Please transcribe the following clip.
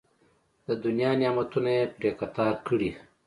د دنیا نعمتونه یې پرې قطار کړي.